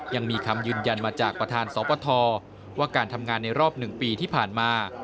ยังมีคำยืนยันมาจากประธานสปทว่าการทำงานในรอบ๑ปีที่ผ่านมา